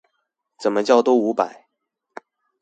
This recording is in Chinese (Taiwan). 怎麼叫都五百